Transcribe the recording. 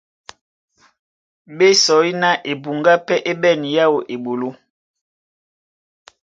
Ɓé sɔí ná ebuŋgá pɛ́ é ɓɛ̂n yáō eɓoló.